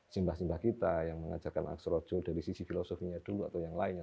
sembah sembah kita yang mengajarkan aksarojo dari sisi filosofinya dulu atau yang lainnya